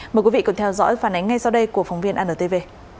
mời quý vị cùng theo dõi phản ánh ngay sau đây của phóng viên antv